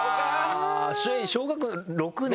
小学６年？